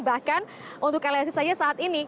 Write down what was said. bahkan untuk lsi saja saat ini